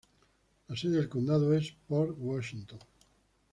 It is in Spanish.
La sede del condado es Port Washington.